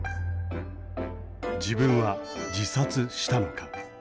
自分は自殺したのか。